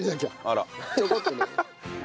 あら。